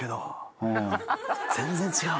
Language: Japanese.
全然違う？